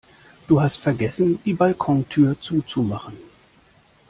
Du hast vergessen, die Balkontür zuzumachen.